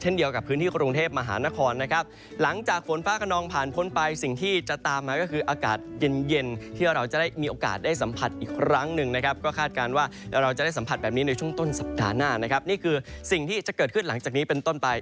นี่คือสิ่งที่จะเกิดขึ้นหลังจากนี้เป็นต้นปลาย